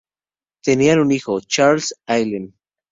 Tenían un hijo, Charles Allen.